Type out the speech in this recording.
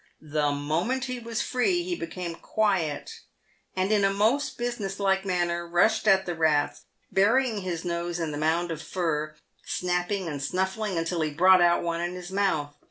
The moment he was free, he became quiet, and in a most business like manner rushed at the rats, burying his nose in the mound of fur, snapping and snuffling until he brought out one in his mouth.